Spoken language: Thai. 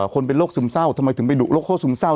คนเป็นโรคซึมเศร้าทำไมถึงไปดุโรคซึมเศร้า